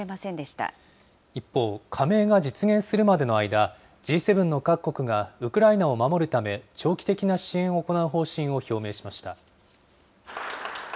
一方、加盟が実現するまでの間、Ｇ７の各国がウクライナを守るため長期的な支援を行う方針を表明しました。